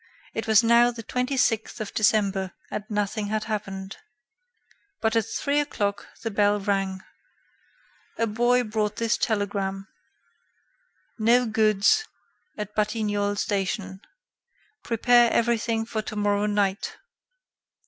It was now the twenty sixth of September and nothing had happened. But at three o'clock the bell rang. A boy brought this telegram: "No goods at Batignolles station. Prepare everything for tomorrow night.